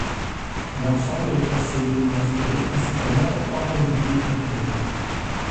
L'ensemble est classé Monument Historique, ainsi qu'un important mobilier intérieur.